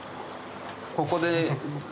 ここで。